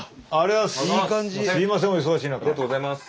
ありがとうございます。